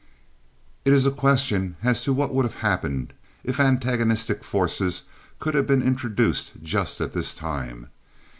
It is a question as to what would have happened if antagonistic forces could have been introduced just at this time.